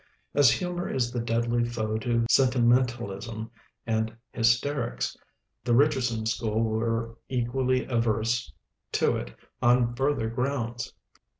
As humor is the deadly foe to sentimentalism and hysterics, the Richardson school were equally averse to it on further grounds.